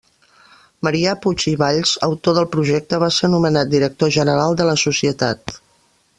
Marià Puig i Valls, autor del projecte va ser nomenat director general de la societat.